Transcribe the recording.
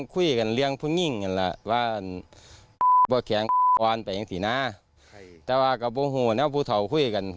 แต่คนเช็บหนักนั้นคือตาบูเรียน